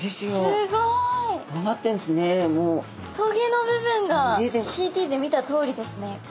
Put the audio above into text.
棘の部分がＣＴで見たとおりですね。